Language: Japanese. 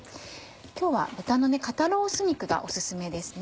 今日は豚の肩ロース肉がオススメですね。